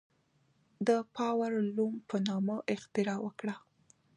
د پاور لوم په نامه اختراع وکړه.